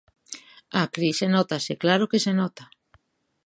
A crise nótase, claro que se nota.